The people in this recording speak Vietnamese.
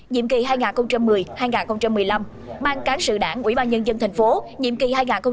nhiệm kỳ hai nghìn một mươi hai nghìn một mươi năm ban cán sự đảng ủy ban nhân dân thành phố nhiệm kỳ hai nghìn một mươi một hai nghìn một mươi một